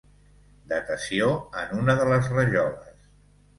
Datació en una de les rajoles.